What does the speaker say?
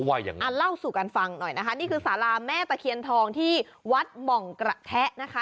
อย่างงั้นอ่ะเล่าสู่กันฟังหน่อยนะคะนี่คือสาราแม่ตะเคียนทองที่วัดหม่องกระแทะนะคะ